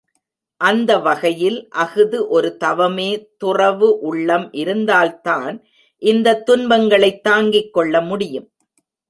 அந்த வகையில் அஃது ஒரு தவமே துறவு உள்ளம் இருந்தால்தான் இந்தத் துன்பங்களைத் தாங்கிக் கொள்ள முடியும்.